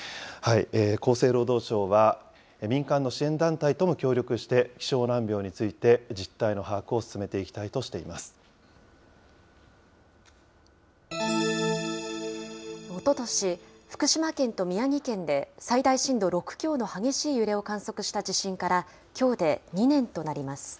厚生労働省は、民間の支援団体とも協力して、希少難病について実態の把握を進めおととし、福島県と宮城県で最大震度６強の激しい揺れを観測した地震からきょうで２年となります。